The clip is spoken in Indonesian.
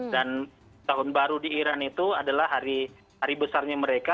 dan tahun baru di iran itu adalah hari besarnya mereka